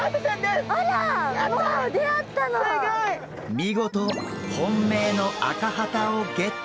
見事本命のアカハタをゲット。